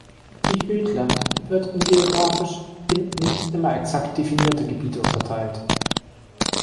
Jütland wird in geografisch in nicht immer exakt definierte Gebiete unterteilt.